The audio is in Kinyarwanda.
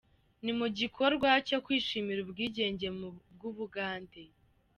Ni mu gikorwa cyo kwishimira ubwigenge bw’ubugande.